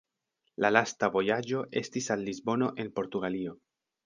La lasta vojaĝo estis al Lisbono en Portugalio.